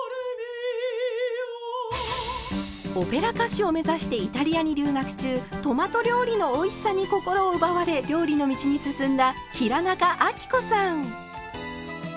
オペラ歌手を目指してイタリアに留学中トマト料理のおいしさに心を奪われ料理の道に進んだ平仲亜貴子さん。